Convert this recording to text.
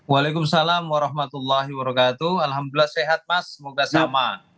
waalaikumsalam warahmatullahi wabarakatuh alhamdulillah sehat mas semoga sama